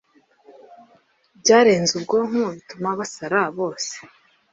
byarenze ubwonko bituma basarabose